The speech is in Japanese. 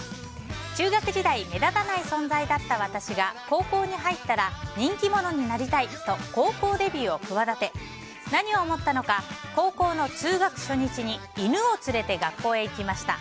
中学時代目立たない存在だった私が高校に入ったら人気者になりたいと高校デビューを企て何を思ったのか高校の通学初日に犬を連れて学校に行きました。